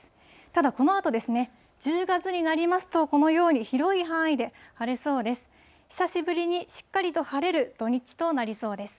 ただ、このあと、１０月になりますと、このように広い範囲で晴れそうです。